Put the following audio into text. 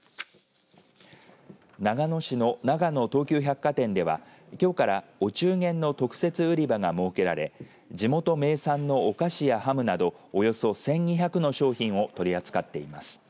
長野市のながの東急百貨店ではきょうから、お中元の特設売り場が設けられ地元名産のお菓子やハムなどおよそ１２００の商品を取り扱っています。